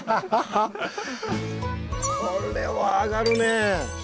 これは上がるね！